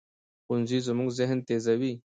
ښوونځی زموږ ذهن تیزوي